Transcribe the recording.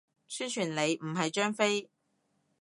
宣傳你，唔係張飛